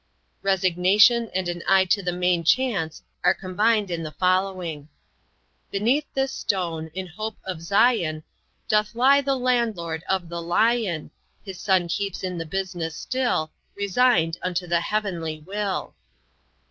Resignation and an eye to the main chance are combined in the following: "Beneath this stone, in hope of Zion Doth lie the landlord of the Lion, His son keeps in the business still Resigned unto the heavenly Will."